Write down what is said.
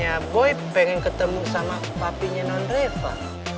ya boy pengen ketemu sama papinya non reva